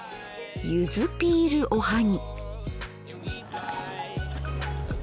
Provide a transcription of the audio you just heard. ゆずピールおはぎ。